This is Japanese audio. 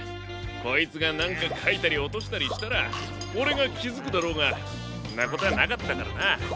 こいつがなんかかいたりおとしたりしたらオレがきづくだろうがんなことなかったからな。